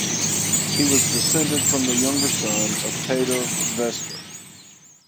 He was descended from the younger son of Peder Wester.